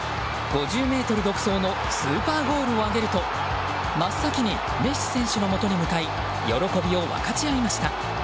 ５０ｍ独走のスーパーゴールを挙げると真っ先にメッシ選手のもとへ向かい喜びを分かち合いました。